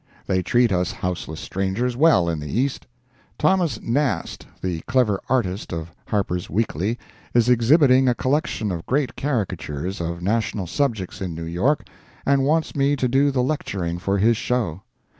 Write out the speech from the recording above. They treat us houseless strangers well in the East. Thomas Nast, the clever artist of Harper's Weekly is exhibiting a collection of great caricatures of national subjects in New York and wants me to do the lecturing for his show.